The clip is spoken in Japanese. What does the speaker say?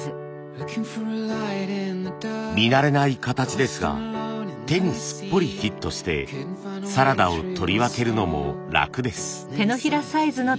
見慣れない形ですが手にすっぽりフィットしてサラダを取り分けるのも楽です。